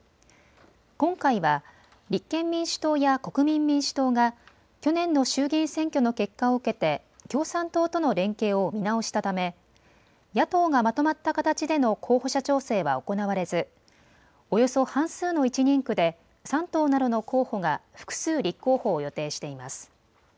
今回は立憲民主党や国民民主党が去年の衆議院選挙の結果を受けて共産党との連携を見直したため野党がまとまった形での候補者調整は行われず、およそ半数の１人区で３党などの候補が複数立候補を予定しています。